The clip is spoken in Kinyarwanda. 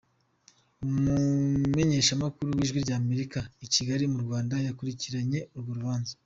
Umumenyeshamakuru w’Ijwi ry’Amerika i Kigali mu Rwanda Yakurikiranye urwo rubanza.